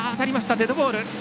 デッドボール。